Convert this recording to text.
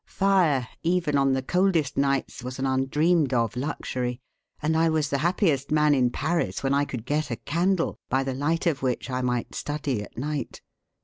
Fire, even on the coldest nights, was an undreamed of luxury; and I was the happiest man in Paris when I could get a candle, by the light of which I might study at night."